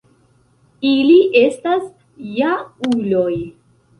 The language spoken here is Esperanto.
Ili estas ja-uloj